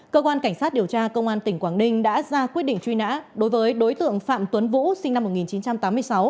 cơ quan cảnh sát điều tra công an tỉnh quảng ninh đã ra quyết định truy nã đối với đối tượng phạm tuấn vũ sinh năm một nghìn chín trăm tám mươi sáu